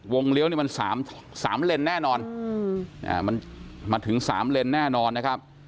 เลี้ยวนี่มัน๓เลนแน่นอนมันมาถึง๓เลนแน่นอนนะครับ